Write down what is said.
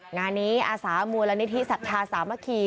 งานนี้อาสามูลนิธิสัทธาสามัคคี